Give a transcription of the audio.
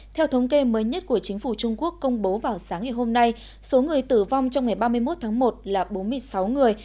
theo thống kê mới nhất của chính phủ trung quốc công bố vào sáng ngày hôm nay số người tử vong trong ngày ba mươi một tháng một là bốn mươi sáu người